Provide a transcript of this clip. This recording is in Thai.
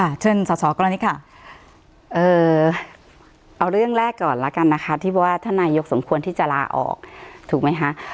เชิญสอสอกรณีค่ะเอ่อเอาเรื่องแรกก่อนแล้วกันนะคะที่ว่าท่านนายกสมควรที่จะลาออกถูกไหมคะ